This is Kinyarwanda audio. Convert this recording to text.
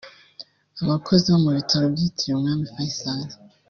Abakozi bo mu Bitaro Byitiriwe Umwami Faisal